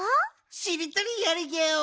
しりとりやるギャオ。